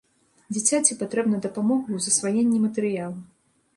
Дзіцяці патрэбна дапамога ў засваенні матэрыялу.